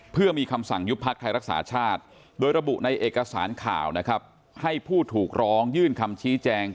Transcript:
เพื่อมีคำสั่งยุบพักไทยรักษาชาติโดยระบุในเอกสารข่าวนะครับให้ผู้ถูกร้องยื่นคำชี้แจง